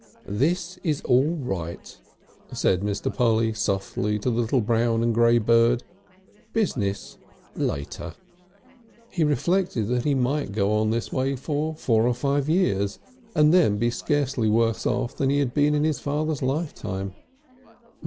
"This is All Right," said Mr. Polly softly to the little brown and grey bird. "Business later." He reflected that he might go on this way for four or five years, and then be scarcely worse off than he had been in his father's lifetime.